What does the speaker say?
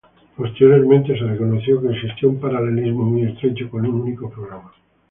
Posteriormente, se reconoció que existía un paralelismo muy estrecho con un único programa.